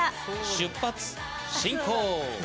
出発進行！